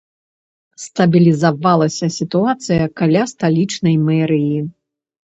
Стабілізавалася сітуацыя каля сталічнай мэрыі.